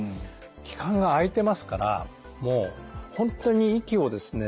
器官が開いてますからもう本当に息をですね